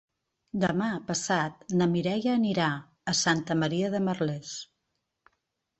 Demà passat na Mireia anirà a Santa Maria de Merlès.